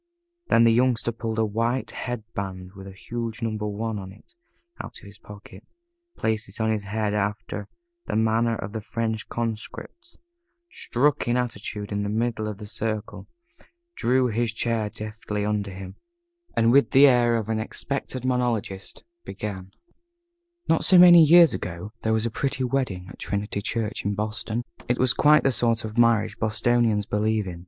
Then the Youngster pulled a white head band with a huge "Number One" on it, out of his pocket, placed it on his head after the manner of the French Conscripts, struck an attitude in the middle of the circle, drew his chair deftly under him, and with the air of an experienced monologist began: Not so very many years ago there was a pretty wedding at Trinity Church in Boston. It was quite the sort of marriage Bostonians believe in.